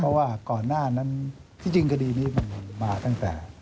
เพราะว่าก่อนหน้านั้นที่จริงคดีนี้มันมาตั้งแต่